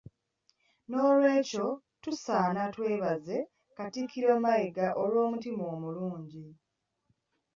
Nolwekyo tusaana twebaze Katikkiro Mayiga olw'omutima omulungi.